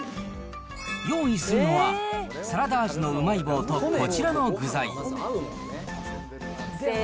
用意するのは、サラダ味のうまい棒とこちらの具材。